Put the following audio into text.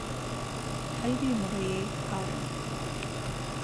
கல்வி முறையே காரணம்.